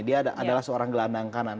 dia adalah seorang gelandang kanan